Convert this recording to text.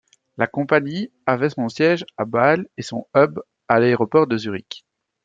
La compagnie avait son siège à Bâle et son hub à l'Aéroport de Zurich.